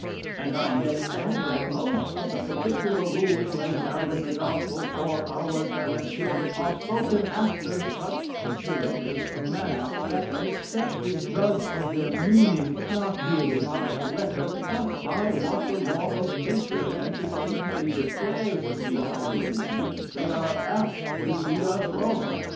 And I may add, that most of the particular rules laid down in the gospel for our direction, are spoken after such figurative a manner, that except we judge of their meaning, not merely by the letter, but by what the law of nature antecedently declares to be our duty, they are apt to lead us wrong.